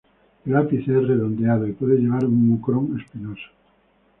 El ápice es redondeado y puede llevar un mucrón espinoso.